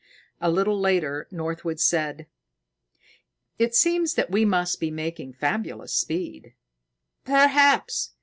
A little later Northwood said: "It seems that we must be making fabulous speed." "Perhaps!"